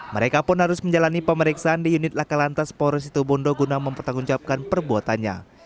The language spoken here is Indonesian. mereka pun harus menjalani pemeriksaan di unit lakalantas poros itu bondo guna mempertanggungjawabkan perbuatannya